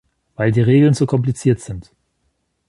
Weil die Regeln zu kompliziert sind.